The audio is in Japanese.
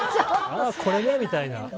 これねみたいな。